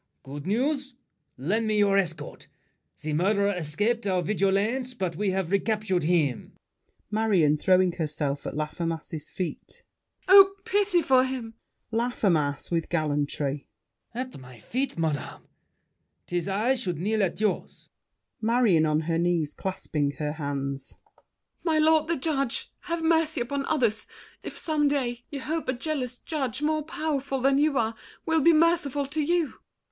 Good news! Lend me your escort. The murderer escaped Our vigilance, but we've recaptured him. MARION (throwing herself at Laffemas's feet). Oh, pity for him! LAFFEMAS (with gallantry). At my feet, madame! 'Tis I should kneel at yours. MARION (on her knees, clasping her hands). My lord the judge, Have mercy upon others, if some day You hope a jealous judge, more powerful Than you are, will be merciful to you!